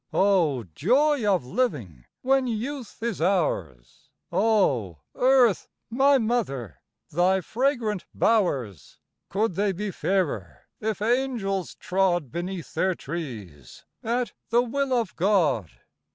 Oh! Joy of living when youth is ours! Oh! Earth my Mother, thy fragrant bowers Could they be fairer if Angels trod Beneath their trees at the will of God?